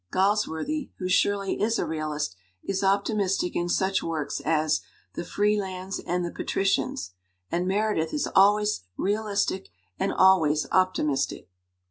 Galsworthy, who surely is a realist, is optimistic in such works as The Freelands and The Patricians. And Mere dith is always realistic and always optimistic.